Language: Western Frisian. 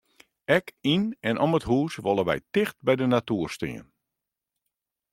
Ek yn en om it hús wolle wy ticht by de natoer stean.